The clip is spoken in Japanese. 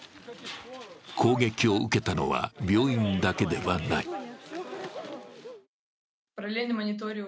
攻撃を受けたのは病院だけではない。